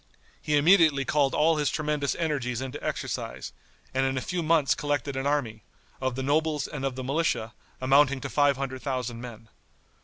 He immediately called all his tremendous energies into exercise, and in a few months collected an army, of the nobles and of the militia, amounting to five hundred thousand men.